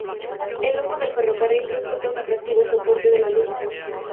El humo del ferrocarril resulta un atractivo soporte de la luz.